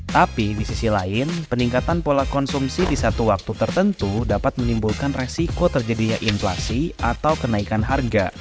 tapi di sisi lain peningkatan pola konsumsi di satu waktu tertentu dapat menimbulkan resiko terjadinya inflasi atau kenaikan harga